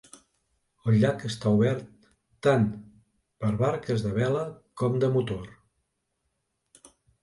El llac està obert tant per a barques de vela com de motor.